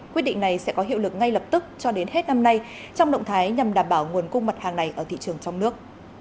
quyết định này sẽ có hiệu lực ngay lập tức cho đến hết năm nay trong động thái nhằm đảm bảo nguồn cung mặt hàng này ở thị trường trong nước